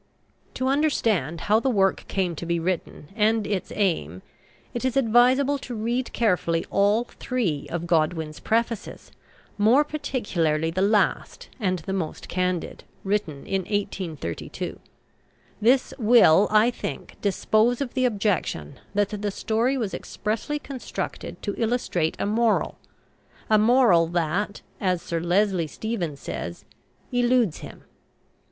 To understand how the work came to be written, and its aim, it is advisable to read carefully all three of Godwin's prefaces, more particularly the last and the most candid, written in 1832. This will, I think, dispose of the objection that the story was expressly constructed to illustrate a moral, a moral that, as Sir Leslie Stephen says, "eludes him."